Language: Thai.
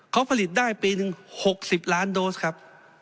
เขาผลิตได้ปีหนึ่ง๖๐ล้านโดสครับ